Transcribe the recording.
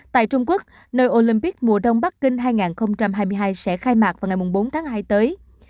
tại trung quốc nơi olympic mùa đông bắc kinh hai nghìn hai mươi hai sẽ khai mạc vào ngày bốn tháng hai tới